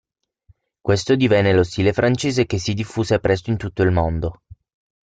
Questo divenne lo stile francese che si diffuse presto in tutto il mondo.